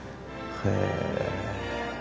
へえ。